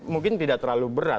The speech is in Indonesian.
mungkin tidak terlalu berat